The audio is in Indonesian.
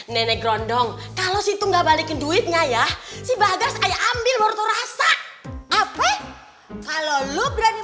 nenek rondong kalau situ nggak balikin duitnya ya si bagas ayo ambil morto rasa apa kalau lo berani